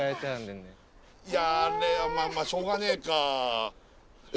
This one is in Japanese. いやあれはまあしょうがねえか。